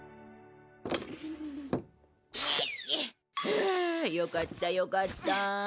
ふうよかったよかった。